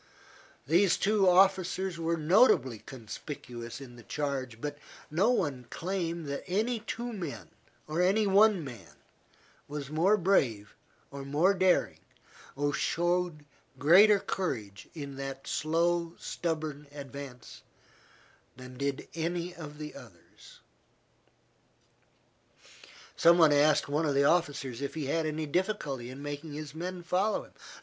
These two officers were notably conspicuous in the charge, but no one can claim that any two men, or any one man, was more brave or more daring, or showed greater courage in that slow, stubborn advance, than did any of the others. Some one asked one of the officers if he had any difficulty in making his men follow him.